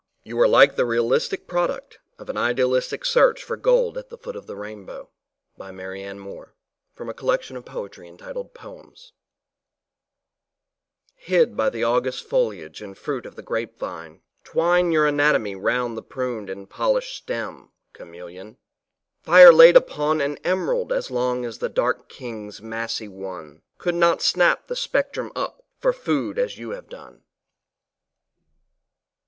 YOU ARE LIKE THE REALISTIC PRO DUCT OF AN IDEALISTIC SEARCH FOR GOLD AT THE FOOT OF THE RAINBOW Hid by the august foliage and fruit of the grape vine, twine your anatomy round the pruned and polished stem, chameleon. Fire laid upon an emerald as long as the Dark King's massy one, could not snap the spectrum up for food as you have done.